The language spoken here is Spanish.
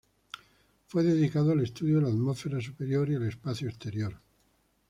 Fue dedicado al estudio de la atmósfera superior y el espacio exterior.